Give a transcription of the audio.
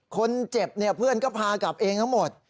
คนเจ็บเนี่ยเพื่อนก็พากลับเองทั้งหมด